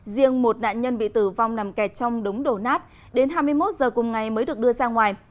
riêng một nạn nhân bị tử vong nằm kẹt trong đống đổ nát đến hai mươi một h cùng ngày mới được đưa ra ngoài